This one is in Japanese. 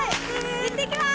いってきます。